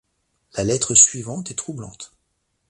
La lettre suivante est troublante.